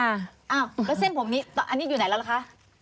อ้าวแล้วเส้นผมนี้ตอนนี้อยู่ไหนแล้วล่ะคะ